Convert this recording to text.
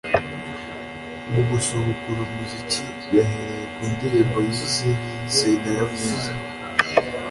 Mu gusubukura umuziki yahereye ku ndirimbo yise ‘Sine ya mwiza’